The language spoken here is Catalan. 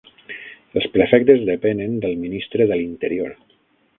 Els prefectes depenen del ministre de l'interior.